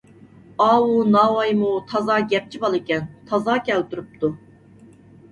ئاۋۇ ناۋايمۇ تازا گەپچى بالىكەن، تازا كەلتۈرۈپتۇ!